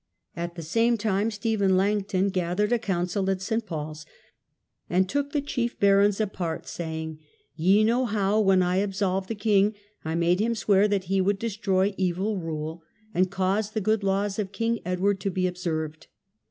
At the same time Stephen Lang ton gathered a council at S. PauFs, and took the chief barons apart, saying, " Ye know how, when I absolved the king, I made him swear that he would destroy evil rule, and cause the good laws of King Edward to be observed.